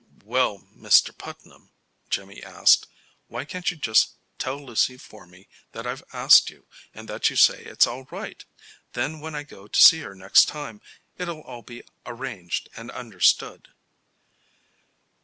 "Well, Mr. Putnam," Jimmy asked, "why can't you just tell Lucy for me that I have asked you, and that you say it's all right? Then when I go to see her next time, it'll all be arranged and understood."